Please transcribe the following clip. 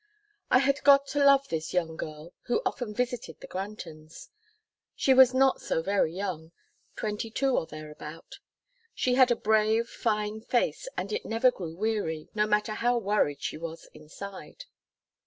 I had got to love this young girl who often visited the Grantons. She was not so very young twenty two or thereabout. She had a brave, fine face, and it never grew weary, no matter how worried she was inside.